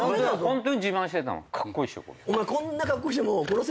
ホントに自慢してたの。